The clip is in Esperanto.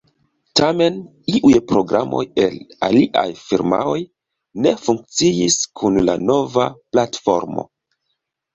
Tamen, iuj programoj el aliaj firmaoj ne funkciis kun la nova platformo.